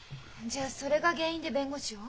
じゃあそれが原因で弁護士を？